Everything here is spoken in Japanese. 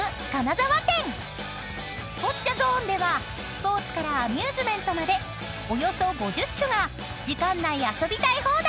［スポッチャゾーンではスポーツからアミューズメントまでおよそ５０種が時間内遊びたい放題］